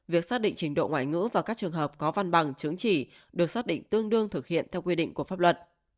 việc xác định trình độ ngoại ngữ và các trường hợp có văn bằng chứng chỉ được xác định tương đương thực hiện theo quy định của pháp luật